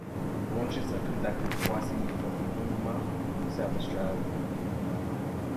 Launches are conducted twice a year from Woomera, South Australia.